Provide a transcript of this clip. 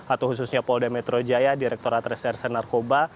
atau khususnya paul demetro jaya direkturat reserse narkoba